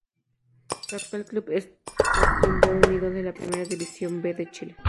Su actual club es Coquimbo Unido de la Primera División B de Chile.